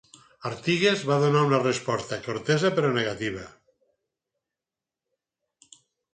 Artigas va donar una resposta cortesa però negativa.